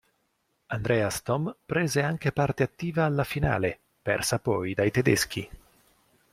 Andreas Thom prese anche parte attiva alla finale, persa poi dai tedeschi.